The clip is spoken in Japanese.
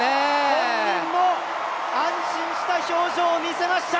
本人も安心した表情を見せました。